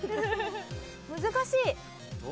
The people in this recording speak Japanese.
難しい。